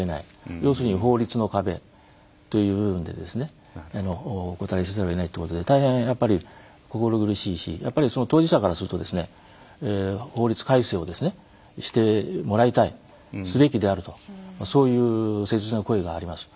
要するに法律の壁というんでですねお断りせざるをえないということで大変やっぱり心苦しいしやっぱりその当事者からすると法律改正をしてもらいたいすべきであるとそういう切実な声があります。